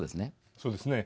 そうですね。